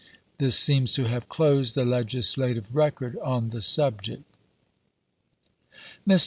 This seems to have closed the legislative record on the subject. Mr.